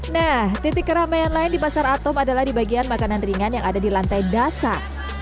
nah titik keramaian lain di pasar atom adalah di bagian makanan ringan yang ada di lantai dasar